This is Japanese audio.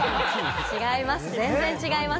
違います。